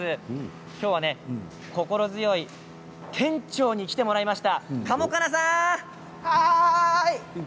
今日は心強い店長に来てもらいました。